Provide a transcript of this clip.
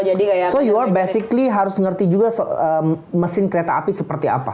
jadi lo basically harus ngerti juga mesin kereta api seperti apa